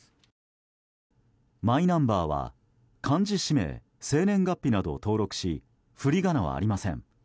マイナンバーは漢字氏名、生年月日などを登録し振り仮名はありません。